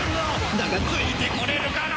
だがついてこれるかな？